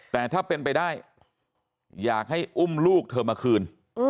แต่ถ้าเป็นไปได้อยากให้อุ้มลูกเธอมาคืน